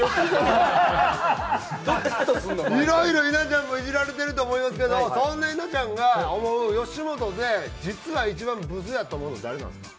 いろいろ稲ちゃんもイジられてると思いますけどそんな稲ちゃんが思う吉本で実は一番ブスやと思うの誰なんですか？